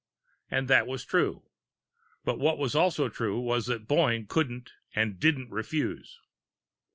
And that was true. But what was also true was that Boyne couldn't and didn't refuse.